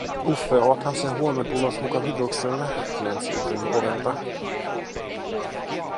"Uffe, oothan sä huomen tulos mukaa Hydrukselle?", Nancy uteli ovelta.